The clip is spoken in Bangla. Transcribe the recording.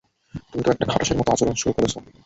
তুমি তো একটা খাটাশের মতো আচরণ শুরু করেছ।